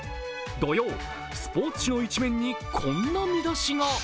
土曜、スポーツ紙の１面にこんな見出しが。